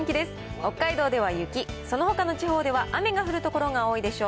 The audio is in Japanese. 北海道では雪、そのほかのちほうでは雨が降る所が多いでしょう。